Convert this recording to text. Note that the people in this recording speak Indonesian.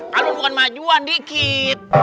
kamu bukan maju dikit